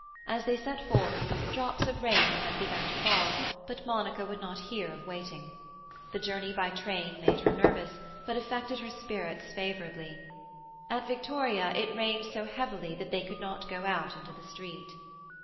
As they set forth, drops of rain had begun to fall, but Monica would not hear of waiting. The journey by train made her nervous, but affected her spirits favourably. At Victoria it rained so heavily that they could not go out into the street.